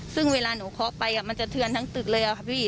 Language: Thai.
ซึ่งเวลาหนูเคาะไปมันจะเทือนทั้งตึกเลยค่ะพี่